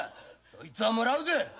そいつはもらうぜ。